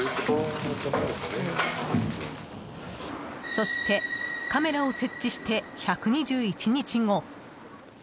そして、カメラを設置して１２１日後。